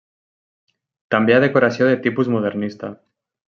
També hi ha decoració de tipus modernista.